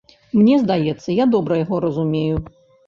Мне здаецца, я добра яго разумею.